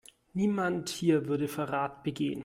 Niemand hier würde Verrat begehen.